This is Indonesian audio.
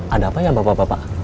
ada apa ya bapak bapak